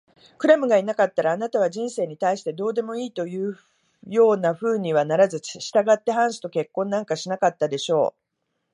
クラムがいなかったら、あなたは人生に対してどうでもいいというようなふうにはならず、したがってハンスと結婚なんかしなかったでしょう。